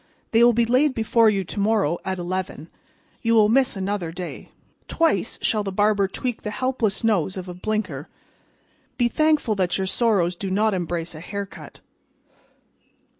They will be laid before you to morrow at eleven. You will miss another day. Twice shall the barber tweak the helpless nose of a Blinker. Be thankful that your sorrows do not embrace a haircut."